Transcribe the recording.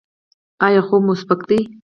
ایا خوب مو سپک دی؟